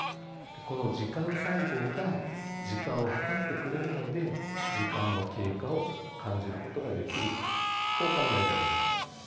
この時間細胞が時間を計ってくれるので時間の経過を感じることができるとこう考えられています。